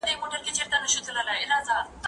زه به اوږده موده ونې ته اوبه ورکړې وم؟